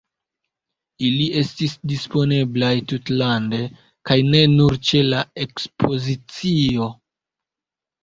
Ili estis disponeblaj tutlande, kaj ne nur ĉe la Ekspozicio.